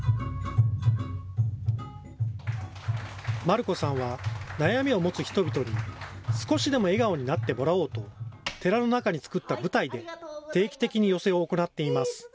団姫さんは、悩みを持つ人々に少しでも笑顔になってもらおうと、寺の中に作った舞台で、定期的に寄席を行っています。